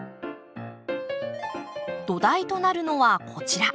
土台となるのはこちら。